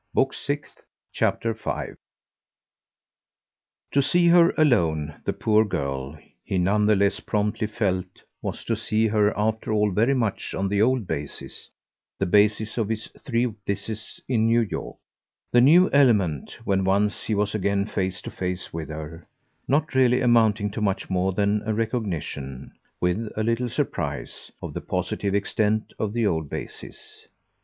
Book Sixth, Chapter 5 To see her alone, the poor girl, he none the less promptly felt, was to see her after all very much on the old basis, the basis of his three visits in New York; the new element, when once he was again face to face with her, not really amounting to much more than a recognition, with a little surprise, of the positive extent of the old basis.